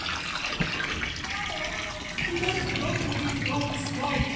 ブランコで歌うスタイル